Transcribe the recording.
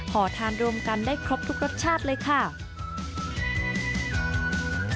ห่อทานรวมกันได้ครบทุกรสชาติเลยค่ะ